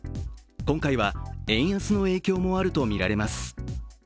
今回は、円安の影響もあるとみられます。